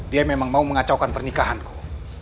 dia memang mau mengacaukan pernikahanku